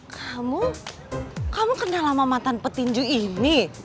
kamu kamu kenal sama matan petinju ini